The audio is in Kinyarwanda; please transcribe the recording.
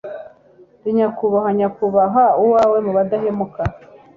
Ndi nyakubahwa nyakubahwa uwawe mu budahemuka